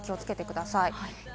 気をつけてください。